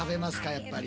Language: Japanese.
やっぱり。